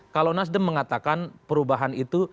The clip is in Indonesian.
kalau nasdem mengatakan perubahan itu